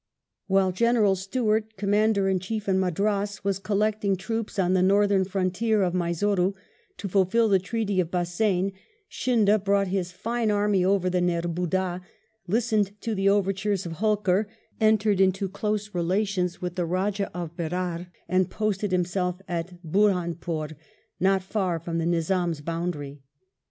While General Stuart, Commander in Chief in Madras, was collecting troops on the northern frontier of Mysore to fulfil the Treaty of Bassein, Scindia brought his fine army over the Nerbudda, listened to the overtures of Holkar, entered into close relations with the Eajah of Berar, and posted himself at Burhan pore, not far from the Nizam's boundary.